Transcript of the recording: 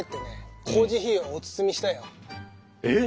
えっ！